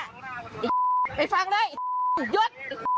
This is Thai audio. ไอ้ฟังเลยหยุด